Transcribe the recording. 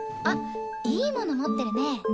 あっいいもの持ってるね。